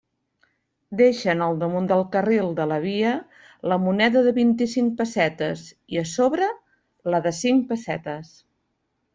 Deixen al damunt del carril de la via la moneda de vint-i-cinc pessetes i a sobre la de cinc pessetes.